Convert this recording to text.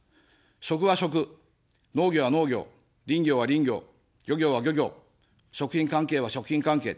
食は食、農業は農業、林業は林業、漁業は漁業、食品関係は食品関係、医療は医療。